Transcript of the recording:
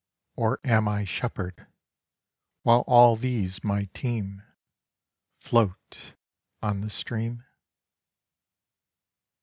Or am I shepherd, while all these my team Float on the stream